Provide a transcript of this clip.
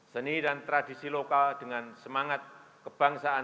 seni dan tradisi lokal dengan semangat kebangsaan